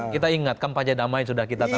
kita ingat kan pajak damai sudah kita tangan